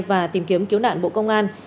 và tìm kiếm cứu nạn bộ công an